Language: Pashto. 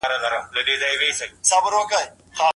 په قدم وهلو کي غاړه نه نیول کېږي.